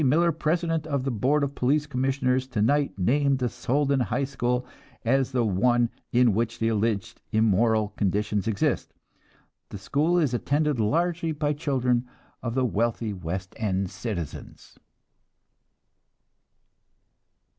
Miller, president of the Board of Police Commissioners, tonight named the Soldan High School as the one in which the alleged immoral conditions exist. The school is attended largely by children of the wealthy West End citizens.